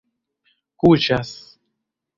kuŝas